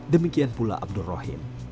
demikian pula abdul rahim